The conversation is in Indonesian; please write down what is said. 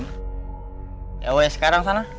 ya weh sekarang sana